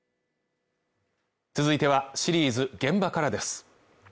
続いては、シリーズ「現場から」です。